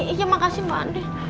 iya makasih mbak andin